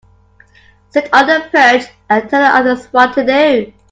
Sit on the perch and tell the others what to do.